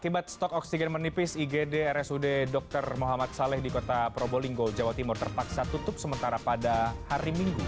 akibat stok oksigen menipis igd rsud dr muhammad saleh di kota probolinggo jawa timur terpaksa tutup sementara pada hari minggu